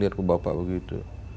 melihat bapak begitu